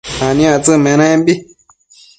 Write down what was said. aniactsëc menembi